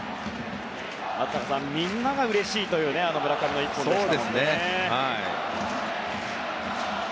みんながうれしいという村上の一本でした。